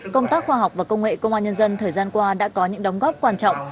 công tác khoa học và công nghệ công an nhân dân thời gian qua đã có những đóng góp quan trọng